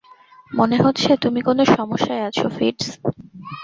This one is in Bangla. মনে হচ্ছে তুমি কোনো সমস্যায় আছ, ফিটজ।